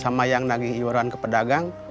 sama yang nagih iuran ke pedagang